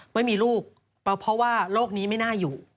ไม่มีลูกเพราะว่าโลกนี้ไม่น่าอยู่